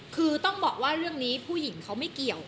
คือต้องบอกว่าเรื่องนี้ผู้หญิงเขาไม่เกี่ยว